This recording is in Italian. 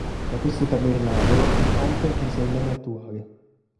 Da questo tabernacolo il ponte prese il nome attuale.